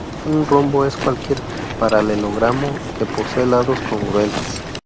Un rombo es cualquier paralelogramo que posee lados congruentes.